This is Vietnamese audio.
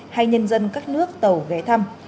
hay nhân dân các nước tàu ghé thăm